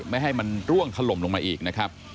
ไม่ให้มันร่วงถล่มลงมาอีกนะครับ